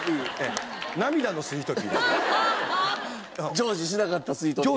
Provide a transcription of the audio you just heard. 成就しなかったスイートピーが。